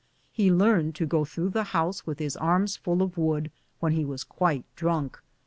He learned to go through the house with his arms full of wood when he was quite drunk.